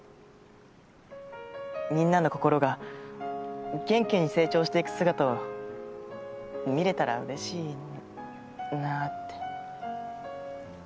みんなの心が元気に成長していく姿を見れたら嬉しいなあって。